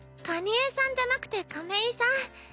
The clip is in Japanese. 蟹江さんじゃなくて亀井さん。